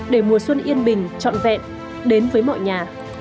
để mùa xuân yên bình trọn vẹn đến với mọi nhà